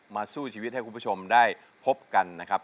สู้ชีวิตให้คุณผู้ชมได้พบกันนะครับ